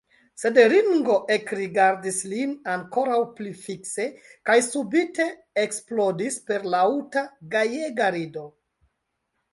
Sed Ringo ekrigardis lin ankoraŭ pli fikse kaj subite eksplodis per laŭta, gajega rido.